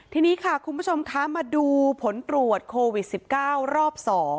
ทีนี้ค่ะคุณผู้ชมคะมาดูผลตรวจโควิด๑๙รอบ๒